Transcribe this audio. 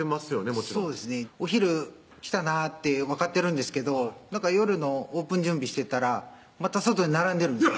もちろんそうですねお昼来たなって分かってるんですけど夜のオープン準備してたらまた外で並んでるんですよ